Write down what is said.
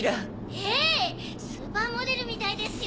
ええスーパーモデルみたいですよ。